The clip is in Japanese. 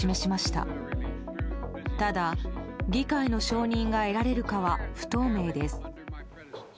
ただ、議会の承認が得られるかは不透明です。